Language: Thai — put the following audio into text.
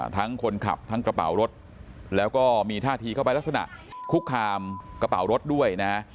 ทั้งคนขับทั้งกระเป๋ารถแล้วก็มีท่าทีเข้าไปลักษณะคุกคามกระเป๋ารถด้วยนะ